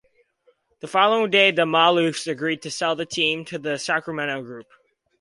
The following day, the Maloofs agreed to sell the team to the Sacramento group.